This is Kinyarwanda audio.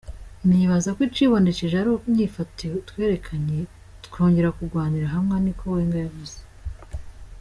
"Nibaza ko icibonekeje ari inyifato twerekanye, twongera tugwanira hamwe," niko Wenger yavuze.